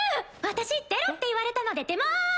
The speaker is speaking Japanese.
私出ろって言われたので出ます。